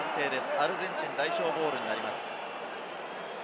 アルゼンチン代表ボールになります。